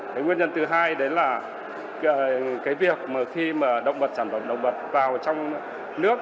cái nguyên nhân thứ hai đấy là cái việc mà khi mà động vật sản phẩm động vật vào trong nước